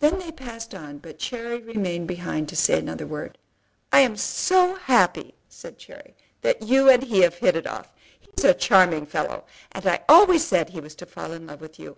Then they passed on, but Cherry remained behind to say another word. "I am so happy," said Cherry, "that you and he have hit it off. He's a charming fellow, and I always said he was to fall in love with you.